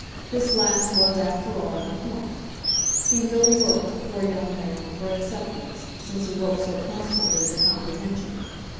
This last was, after all, the point; he really worked, poor young man, for acceptance, since he worked so constantly for comprehension.